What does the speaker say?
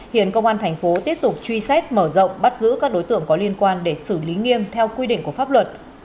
hiện công an thành phố tiếp tục truy xét mở rộng bắt giữ các đối tượng có liên quan để xử lý nghiêm theo quy định của pháp luật